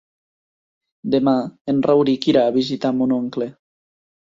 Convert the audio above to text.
Demà en Rauric irà a visitar mon oncle.